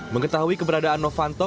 mengetahui keberadaan novanto